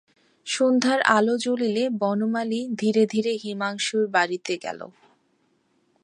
সন্ধ্যার আলো জ্বলিলে বনমালী ধীরে ধীরে হিমাংশুর বাড়িতে গেল।